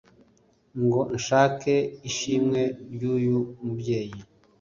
Ngo nshake ishimwe ry’uyu mubyeyi